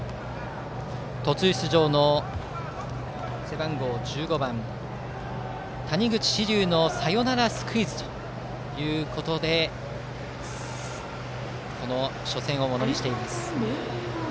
途中出場の背番号１５番谷口志琉のサヨナラスクイズで初戦をものにしています。